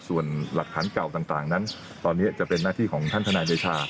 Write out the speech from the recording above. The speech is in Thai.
ส่วนหลักฐานเก่าต่างนั้นตอนนี้จะเป็นหน้าที่ของท่านทนายเดชา